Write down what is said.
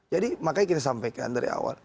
jadi makanya kita sampaikan dari awal